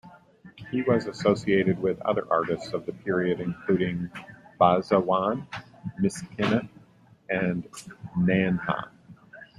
He was associated with other artists of the period including Basawan, Miskina and Nanha.